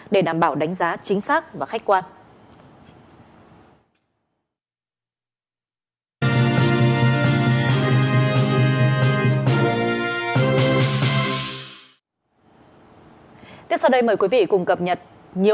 để đảm bảo đánh giá chính xác và khách quan